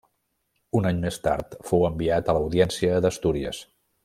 Un any més tard fou enviat a l'Audiència d'Astúries.